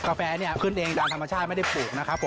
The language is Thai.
แฟเนี่ยขึ้นเองตามธรรมชาติไม่ได้ปลูกนะครับผม